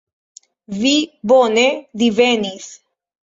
Vi bone divenis.